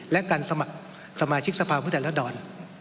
และการสมัครสมาชิกสภาพพุทธแหละดอน